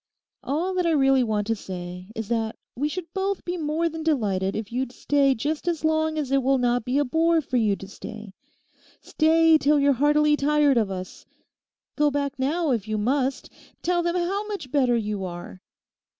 All that I really want to say is that we should both be more than delighted if you'd stay just as long as it will not be a bore for you to stay. Stay till you're heartily tired of us. Go back now, if you must; tell them how much better you are.